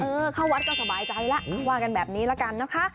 เข้าวัดก็สบายใจแล้วว่ากันแบบนี้ละกันนะคะ